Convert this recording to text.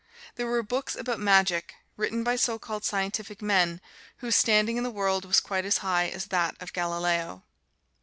There were books about "Magic," written by so called scientific men, whose standing in the world was quite as high as that of Galileo.